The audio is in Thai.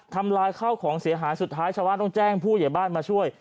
ทำลายข้าวของเสียหายสุดท้ายชาวบ้านต้องแจ้งผู้ใหญ่บ้านมาช่วย